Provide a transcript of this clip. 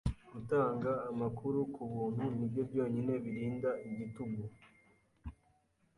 Gutanga amakuru kubuntu nibyo byonyine birinda igitugu.